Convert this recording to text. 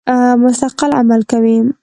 مستقل عمل کوي.